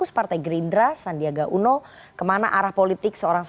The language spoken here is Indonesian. sangka ze proteins